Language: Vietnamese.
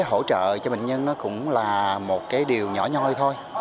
hỗ trợ cho bệnh nhân cũng là một điều nhỏ nhoi thôi